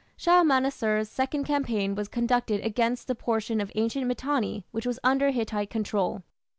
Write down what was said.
Shalmaneser's second campaign was conducted against the portion of ancient Mitanni which was under Hittite control.